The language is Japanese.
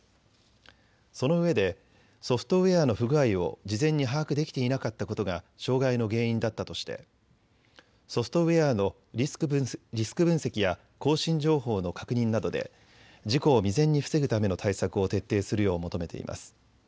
そのうえでソフトウエアの不具合を事前に把握できていなかったことが障害の原因だったとしてソフトウエアのリスク分析や更新情報の確認などで事故を未然に防ぐための対策を徹底するよう求めています。